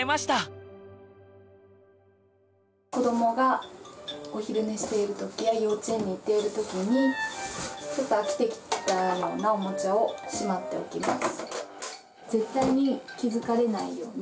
子どもがお昼寝しているときや幼稚園に行っているときにちょっと飽きてきたようなおもちゃをしまっておきます。